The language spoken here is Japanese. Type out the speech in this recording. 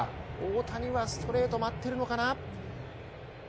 大谷はストレートを待ってるのかな。